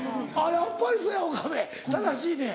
やっぱりそうや岡部正しいねん。